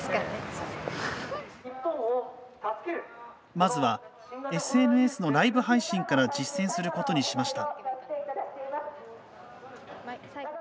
まずはＳＮＳのライブ配信から実践することにしました。